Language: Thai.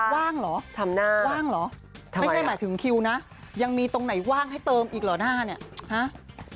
ว่างเหรอทำหน้าว่างเหรอไม่ใช่หมายถึงคิวนะยังมีตรงไหนว่างให้เติมอีกเหรอหน้าเนี่ยฮะ